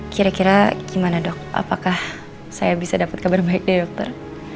kira kira gimana dok apakah saya bisa dapat kabar baik dari dokter